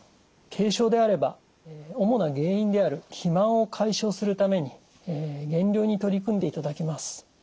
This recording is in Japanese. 軽症であれば主な原因である肥満を解消するために減量に取り組んでいただきます。